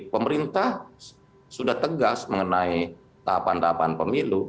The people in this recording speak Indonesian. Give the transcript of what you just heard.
pemerintah sudah tegas mengenai tahapan tahapan pemilu